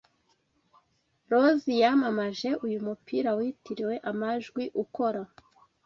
Rozi yamamaje uyu mupira witiriwe amajwi ukora